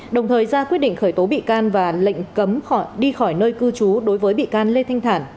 đồng thời ra quyết định khởi tố bị can và lệnh cấm khỏi nơi cư trú đối với bị can lê thanh thản